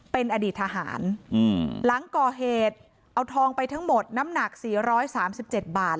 เป็นอดีตทหารหลังก่อเหตุเอาทองไปทั้งหมดน้ำหนักสี่ร้อยสามสิบเจ็ดบาท